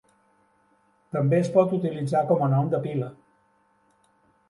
També es pot utilitzar com a nom de pila.